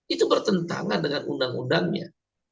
itu bertentangan dengan undang undangnya